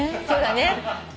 そうだね。